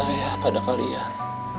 ayah pada kalian